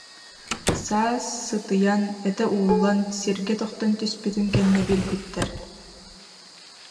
Саас сытыйан, этэ ууллан, сиргэ тохтон түспүтүн кэннэ билбиттэр